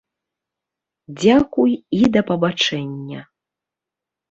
Дзякуй і да пабачэння!